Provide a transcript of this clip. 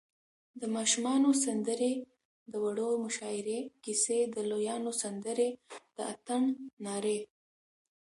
د ماشومانو سندرې، د وړو مشاعرې، کیسی، د لویانو سندرې، د اتڼ نارې